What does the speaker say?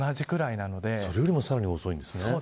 それよりもさらに遅いですね。